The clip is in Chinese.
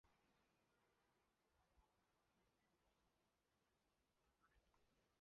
翔村乡是中国陕西省渭南市蒲城县下辖的一个乡。